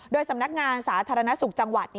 โดยสำนักงานสาธารณสุขจังหวัด